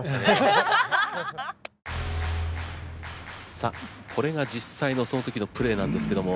さあこれが実際のそのときのプレーなんですけども。